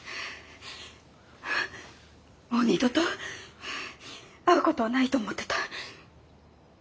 もう二度と会う事はないと思ってた。